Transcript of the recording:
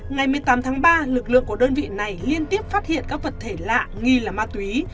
ngày một mươi tám tháng ba lực lượng của đơn vị này liên tiếp phát hiện các vật thể lạ nghi là ma túy